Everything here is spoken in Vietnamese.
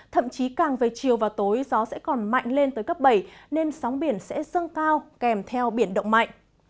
thậm chí càng về chiều và tối gió sẽ còn mạnh lên tới cấp bảy nên sóng biển sẽ dâng cao kèm theo biển động mạnh